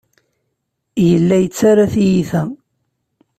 Yella yettarra tiyita.